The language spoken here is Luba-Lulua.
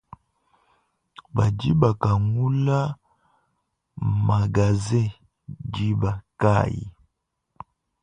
Badi bakangula magazen diba kayi ?